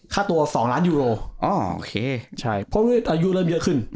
ค่าตัว๒ล้านยูโรโอเคใช่เพราะอายุเริ่มเยอะขึ้น